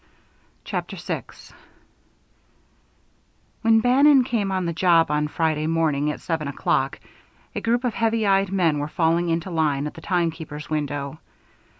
CHAPTER VI When Bannon came on the job on Friday morning at seven o'clock, a group of heavy eyed men were falling into line at the timekeeper's window.